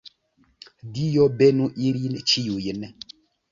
Dio benu ilin ĉiujn!